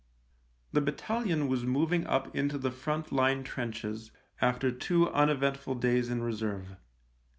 The battalion was moving up into the front line trenches, after two uneventful days in reserve.